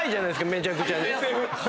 めちゃくちゃ。